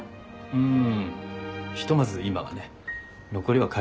うん。